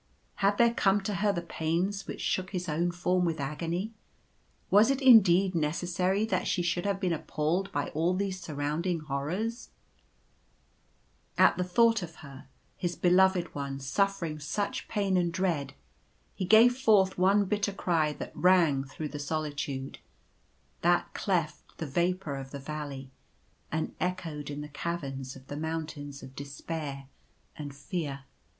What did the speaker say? Had there come to her the pains which shook his own form with agony ? Was it indeed neces sary that she should have been appalled by all these surrounding horrors ? At the thought of her, his Beloved One, suffering such pain and dread, he gave forth one bitter cry that rang through the solitude — that cleft the vapour of the Valley, and echoed in the caverns of the mountains of Despair and Fear.